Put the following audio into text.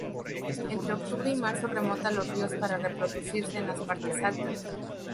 Entre octubre y marzo remonta los ríos para reproducirse en las partes altas.